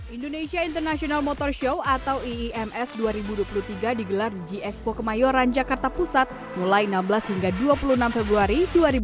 indonesia international motor show atau iims dua ribu dua puluh tiga digelar di gxpo kemayoran jakarta pusat mulai enam belas hingga dua puluh enam februari dua ribu dua puluh